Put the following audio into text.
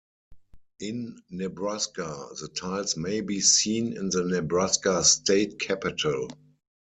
In Nebraska, the tiles may be seen in the Nebraska State Capitol.